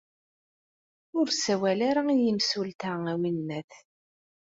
Ur sawal-ara i yimsulta, a winna-t.